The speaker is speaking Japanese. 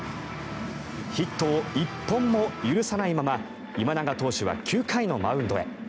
ヒットを１本も許さないまま今永投手は９回のマウンドへ。